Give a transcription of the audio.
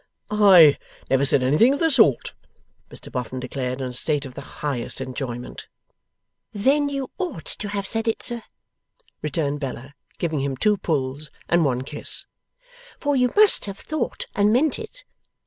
'I never said anything of the sort,' Mr Boffin declared in a state of the highest enjoyment. 'Then you ought to have said it, sir,' returned Bella, giving him two pulls and one kiss, 'for you must have thought and meant it.